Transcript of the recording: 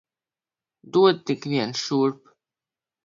Dod tik vien šurp!